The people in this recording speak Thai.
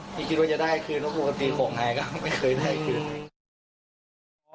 อย่างนี้กินว่าจะได้คืนนอกหนูปกติของหายนะไม่เคยได้คืน